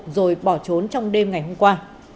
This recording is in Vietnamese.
rồi bỏ trốn trong đêm ngày hôm qua